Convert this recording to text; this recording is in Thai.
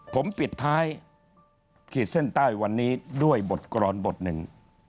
ผมปิดท้ายขีดเส้นใต้วันนี้ด้วยบทกรอนบทหนึ่ง